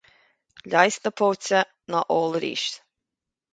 Leigheas na póite ná ól arís.